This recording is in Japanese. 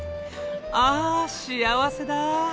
あ幸せだ。